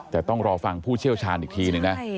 แต่ต้องรอฟังผู้เชี่ยวชาญอีกทีหนึ่งนะ